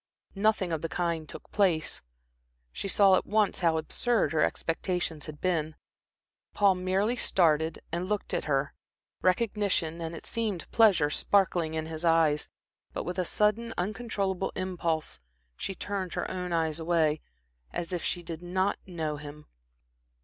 Nothing of the kind took place. She saw at once how absurd her expectations had been. Paul merely started and looked at her, recognition and it seemed, pleasure sparkling in his eyes; but with a sudden, uncontrollable impulse, she turned her own eyes away, as if she did not know him.